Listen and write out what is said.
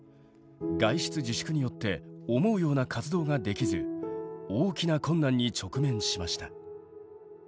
外出自粛によって思うような活動ができず大きな困難に直面しました。